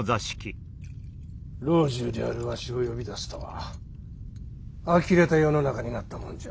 老中であるわしを呼び出すとはあきれた世の中になったもんじゃ。